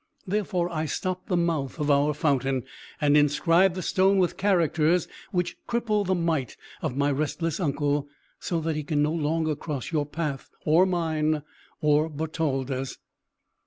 Therefore I stopped the mouth of our fountain, and inscribed the stone with characters which cripple the might of my restless uncle; so that he can no longer cross your path, or mine, or Bertalda's.